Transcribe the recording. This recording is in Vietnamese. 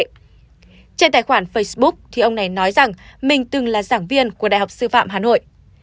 trên tài khoản facebook thì ông này nói rằng mình từng là giảng viên của đại học sư phạm hà nội